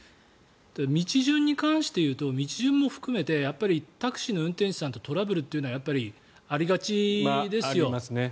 道順に関して言うと道順も含めてタクシーの運転手さんとトラブルというのはありがちですよ。